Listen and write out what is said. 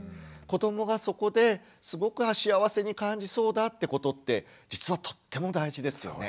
子どもがそこですごく幸せに感じそうだってことって実はとっても大事ですよね。